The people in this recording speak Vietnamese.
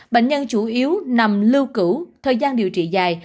bệnh nhân chủ yếu nằm lưu cữu thời gian điều trị dài